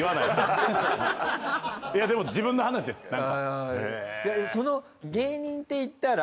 いやでも自分の話です。